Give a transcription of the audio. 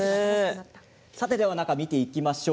中を見ていきましょう。